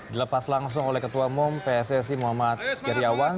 dilepas langsung oleh ketua mom pssi muhammad geriawan